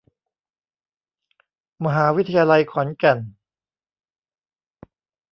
มหาวิทยาลัยขอนแก่น